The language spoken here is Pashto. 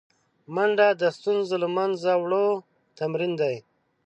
منډه د ستونزو له منځه وړو تمرین دی